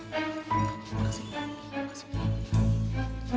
dek aku mau ke sana